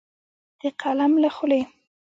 د قلم له خولې